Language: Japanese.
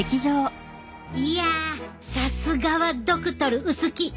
いやさすがはドクトル薄木！